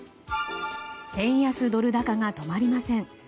円安ドル高が止まりません。